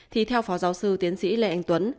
thì theo phó giáo sư tiến sĩ lê anh tuấn